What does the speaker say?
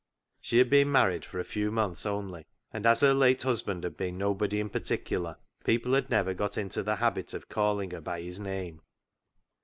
She had been married for a few i6 CLOG SHOP CHRONICLES months only, and as her late husband had been nobody in particular, people had never got into the habit of calling her by his name.